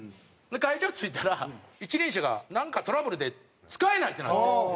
会場着いたら一輪車がなんかトラブルで使えないってなって。